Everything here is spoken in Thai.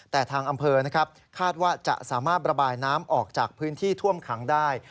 แต่ทางอำเภอนะครับคาดว่าจะสามารถระบายน้ำออกจากพื้นที่ท่วมขังได้